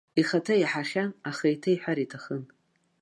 Ихаҭа иаҳахьан, аха еиҭа иҳәар иҭахын.